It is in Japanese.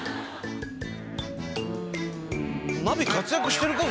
ナビ活躍してるか？